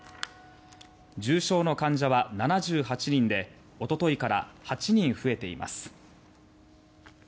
重症の患者は７８人で一昨日から８人増えています。